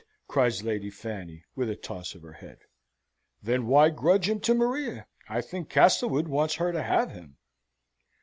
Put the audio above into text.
cries Lady Fanny, with a toss of her head. "Then why grudge him to Maria? I think Castlewood wants her to have him."